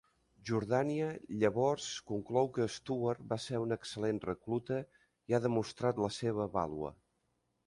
Jordània llavors conclou que Stewart va ser un excel·lent recluta i ha demostrat la seva vàlua.